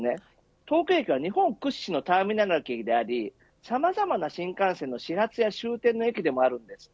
東京駅は日本屈指のターミナル駅でありさまざまな新幹線の始発や終点の駅でもあります。